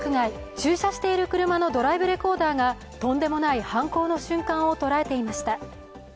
駐車している車のドライブレコーダーがとんでもない犯行の瞬間を捉えていました。